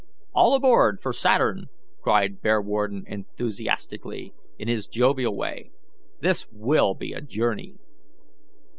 "All aboard for Saturn!" cried Bearwarden enthusiastically, in his jovial way. "This will be a journey."